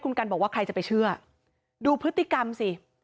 คุณกันบอกว่าใครจะไปเชื่อดูพฤติกรรมสิ